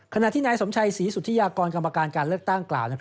ขณะที่นายสมชัยศรีสุธิยากรกรรมการการเลือกตั้งกล่าว